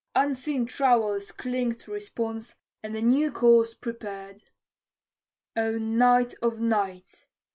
unseen trowels clinked response, and a new course prepared. O night of nights!